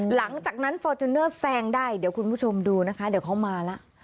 หลังจากนั้นฟอร์จูเนอร์แซงได้เดี๋ยวคุณผู้ชมดูนะคะเดี๋ยวเขามาแล้ว